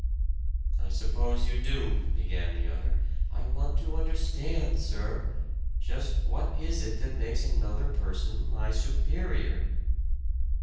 "I suppose you do," began the other "I want to understand, sir just what is it that makes another person my superior?"